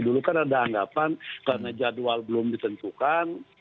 dulu kan ada anggapan karena jadwal belum ditentukan